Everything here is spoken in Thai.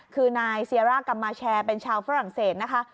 คือนายเซียร่ากรรมมาแชร์เป็นชาวฝรั่งเศสนะคะ